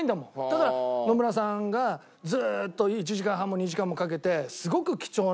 だから野村さんがずーっと１時間半も２時間もかけてすごく貴重なね